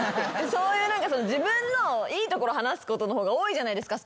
そういう自分のいいところ話すことの方が多いじゃないですか